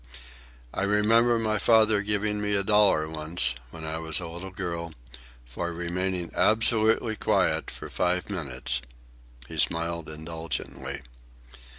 "I remember my father giving me a dollar once, when I was a little girl, for remaining absolutely quiet for five minutes." He smiled indulgently.